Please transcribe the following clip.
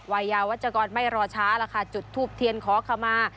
วัยยาวัชกรไม่รอช้าล่ะค่ะจุดทูบเทียนขอขมา